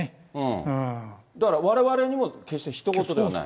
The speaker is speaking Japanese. だから、われわれにも決してひと事ではない。